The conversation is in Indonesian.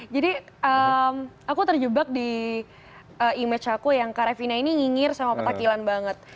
jadi aku terjebak di image aku yang karevina ini ngingir sama petakilan banget